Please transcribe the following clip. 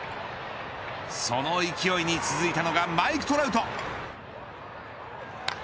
その勢いに続いたのがマイク・トラウト。